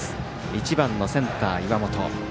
１番のセンター、岩本。